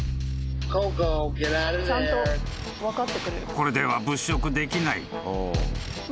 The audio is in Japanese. ［これでは物色できない］